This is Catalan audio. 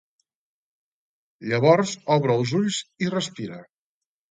Llavors obre els ulls i respira.